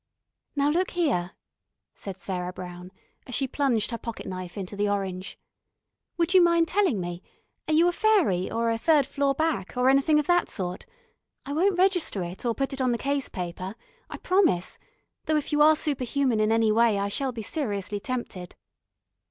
"Now look here," said Sarah Brown, as she plunged her pocket knife into the orange. "Would you mind telling me are you a fairy, or a third floor back, or anything of that sort? I won't register it, or put it on the case paper, I promise, though if you are superhuman in any way I shall be seriously tempted."